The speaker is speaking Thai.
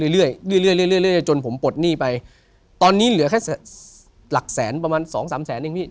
เรื่อยจนผมปลดหนี้ไปตอนนี้เหลือแค่หลักแสนประมาณสองสามแสนเองพี่